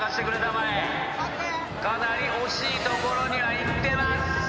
かなり惜しい所にはいってます。